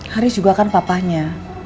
haris juga kan papahnya